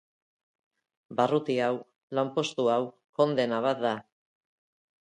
Barruti hau, lanpostu hau, kondena bat da.